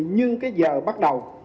nhưng cái giờ bắt đầu